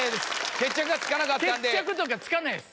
決着とかつかないです。